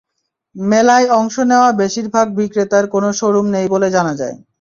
মেলায় অংশ নেওয়া বেশির ভাগ বিক্রেতার কোনো শোরুম নেই বলে জানা যায়।